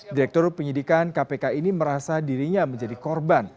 direktur penyidikan kpk ini merasa dirinya menjadi korban